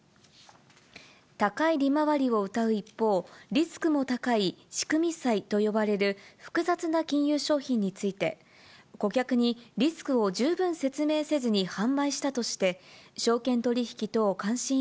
高い利回りをうたう一方、リスクも高い仕組み債と呼ばれる複雑な金融商品について、顧客にリスクを十分説明せずに販売したとして、証券取引等監視委